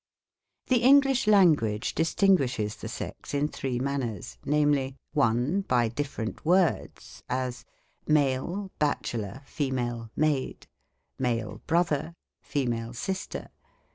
The English language distinguishes the sex in three manners ; namely, 1. By different words; as, MALE. FEMALE. Bachelor Maid. Brother Sister.